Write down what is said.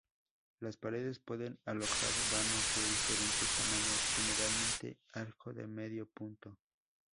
Las paredes pueden alojar vanos de diferentes tamaños, generalmente arco de medio punto.